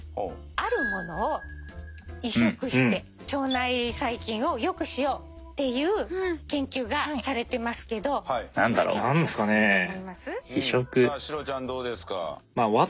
あるものを移植して腸内細菌を良くしようっていう研究がされてますけど何を移植すると思います？